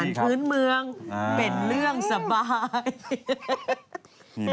เป็นพื้นเมืองเป็นเรื่องสบาย